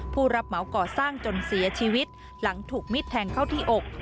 ผู้รับเหมาก่อสร้างจนเสียชีวิตหลังถูกมิดแทงเข้าที่อก